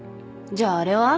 じゃああれは？